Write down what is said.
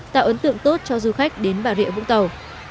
tạo ấn tượng tốt cho du khách đến bà rịa vũng tàu